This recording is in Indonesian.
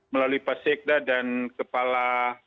melalui pak sekda dan kepala